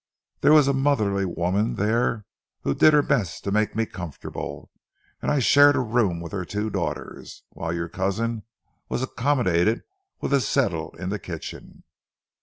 There was a motherly woman there who did her best to make me comfortable, and I shared a room with her two daughters, whilst your cousin was accommodated with a settle in the kitchen.